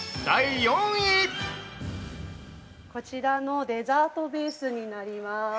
◆こちらのデザートベースになります。